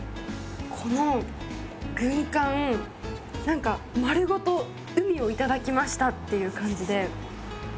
この軍艦何か丸ごと海を頂きましたっていう感じで。